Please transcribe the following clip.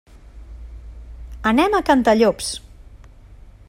Anem a Cantallops.